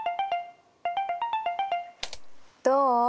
どう？